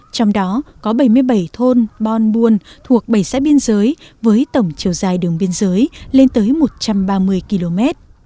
trong đó có bảy mươi bảy thôn bon buôn thuộc bảy xã biên giới với tổng chiều dài đường biên giới lên tới một trăm ba mươi km